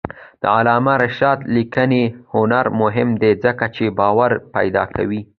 د علامه رشاد لیکنی هنر مهم دی ځکه چې باور پیدا کوي.